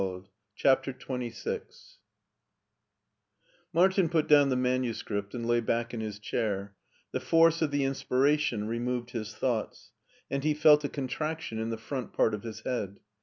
■* r CHAPTER XXVI MARTIN put down the manuscript and lay back in his chair; the force of the inspira tion removed his thoughts; and he felt a contraction in the front part of his head.